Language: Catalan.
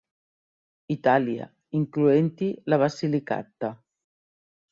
Itàlia, incloent-hi la Basilicata.